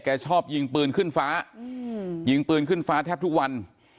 ชอบยิงปืนขึ้นฟ้ายิงปืนขึ้นฟ้าแทบทุกวัน